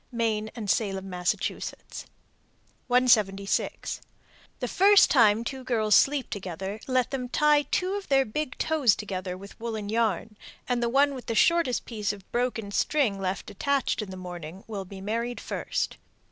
Maine and Salem, Mass. 176. The first time two girls sleep together let them tie two of their big toes together with woollen yarn, and the one with the shortest piece of broken string left attached in the morning will be married first.